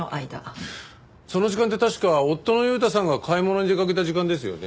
その時間って確か夫の悠太さんが買い物に出かけた時間ですよね？